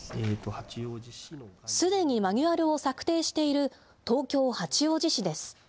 すでにマニュアルを策定している東京・八王子市です。